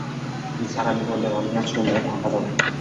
নিসার আলি বললেন, আমি আজ সন্ধ্যায় ঢাকা যাব।